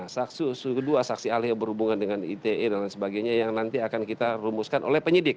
saksi kedua saksi ahli yang berhubungan dengan ite dan lain sebagainya yang nanti akan kita rumuskan oleh penyidik